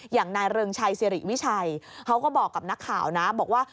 อย่างนายเริงชัยสิริวิชัยเขาก็บอกกับนักข่าวนะบอกว่า